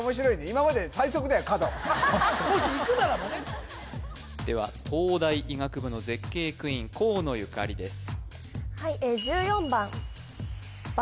今まででもしいくならばねでは東大医学部の絶景クイーン河野ゆかりです